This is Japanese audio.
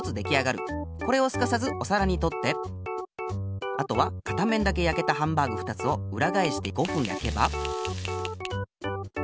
これをすかさずおさらにとってあとは片面だけやけたハンバーグ２つをうらがえして５ふんやけば。